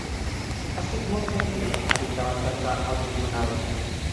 Estic molt tranquil·la, ha dit abans d’entrar al tribunal.